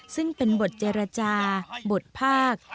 ซึ่งเป็นบทเจรจาบทภาค